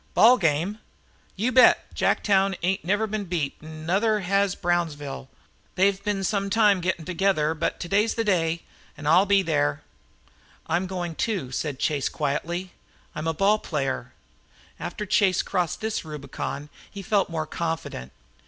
"Ball game!" "You bet. Jacktown ain't ever been beat, an' nuther has Brownsville. They've been some time gittin' together, but today's the day. An' I'll be there." "I'm going, too," said Chase, quietly. "I'm a ball player." After Chase had crossed this Rubicon he felt more confident.